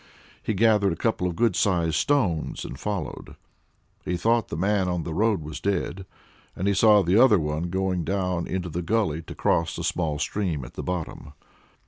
He gathered a couple of good sized stones and followed. He thought the man on the road was dead; and he saw the other one going down into the gully to cross the small stream at the bottom.